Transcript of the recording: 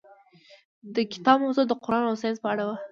د کتاب موضوع د قرآن او ساینس په اړه وه.